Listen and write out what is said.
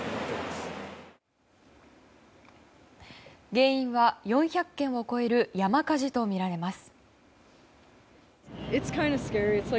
原因は４００件を超える山火事とみられます。